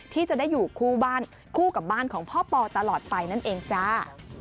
ที่จะได้อยู่คู่บ้านคู่กับบ้านของพ่อปอตลอดไปนั่นเองจ้า